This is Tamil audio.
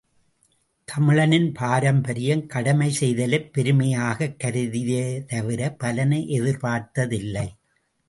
தமிழனின் பாரம்பரியம் கடமை செய்தலைப் பெருமையாகக் கருதியதே தவிர, பலனை எதிர்பார்த்த தில்லை.